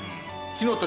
『火の鳥』